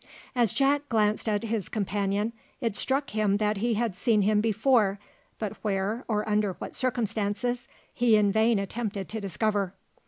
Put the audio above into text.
As Jack glanced at his companion, it struck him that he had seen him before, but where, or under what circumstances, he in vain attempted to discover.